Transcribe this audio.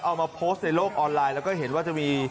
เอามาโพสต์ในโลกออนไลน์แล้วก็เห็นว่าจะมี